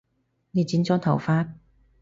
你剪咗頭髮？